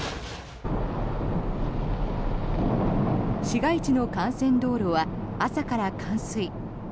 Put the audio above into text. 市街地の幹線道路は朝から冠水。